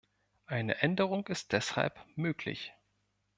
Eine Änderung ist deshalb möglich.